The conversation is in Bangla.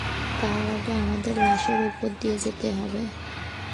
তার আগে আমাদের লাশের উপর দিয়ে যেতে হবে।